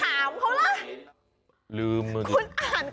ไม่ถามเค้าล่ะ